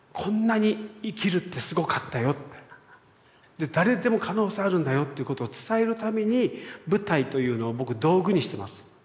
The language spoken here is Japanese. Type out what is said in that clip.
で誰でも可能性あるんだよということを伝えるために舞台というのを僕道具にしてます。